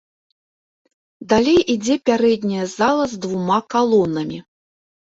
Далей ідзе пярэдняя зала з двума калонамі.